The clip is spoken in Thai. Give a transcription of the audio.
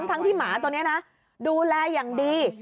ทั้งที่หมาตัวนี้นะดูแลอย่างดี